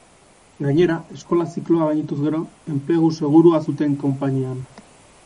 Gainera, eskola-zikloa gaindituz gero, enplegu segurua zuten konpainian.